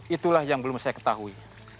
itulah yang belum saya ketahui